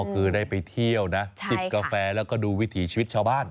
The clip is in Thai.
คือได้ไปเที่ยวนะจิบกาแฟแล้วก็ดูวิถีชีวิตชาวบ้าน